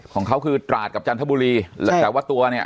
ของเขาคือตราดกับจันทบุรีแต่ว่าตัวเนี่ย